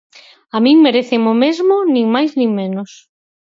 A min merécenme o mesmo, nin máis nin menos.